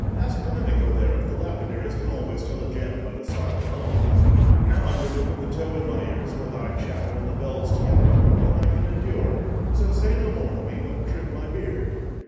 Ask Domenico there if the lapidaries can always tell a gem by the sight alone. And now I'm going to put the tow in my ears, for thy chatter and the bells together are more than I can endure: so say no more to me, but trim my beard."